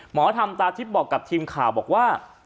หมอธรรมตาทิพย์บอกกับทีมข่าวบอกว่า